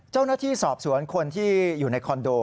เจ้าหน้าที่สอบสวนคนที่อยู่ในคอนโด